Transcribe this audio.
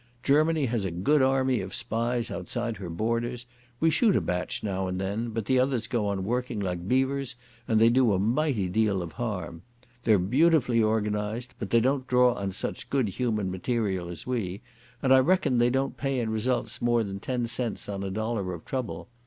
Germany has a good army of spies outside her borders. We shoot a batch now and then, but the others go on working like beavers and they do a mighty deal of harm. They're beautifully organised, but they don't draw on such good human material as we, and I reckon they don't pay in results more than ten cents on a dollar of trouble.